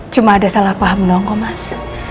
cuma ada salah paham dong kok mas